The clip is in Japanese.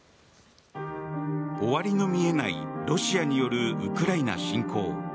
終わりの見えないロシアによるウクライナ侵攻。